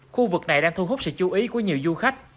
khu vực này đang thu hút sự chú ý của nhiều du khách